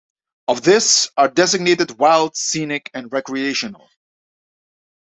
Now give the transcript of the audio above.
Of this, are designated "wild", "scenic", and "recreational".